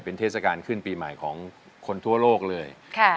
เป็นเทศกาลขึ้นปีใหม่ของคนทั่วโลกเลย